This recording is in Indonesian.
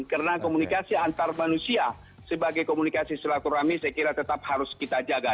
karena komunikasi antar manusia sebagai komunikasi silaturahmi saya kira tetap harus kita jaga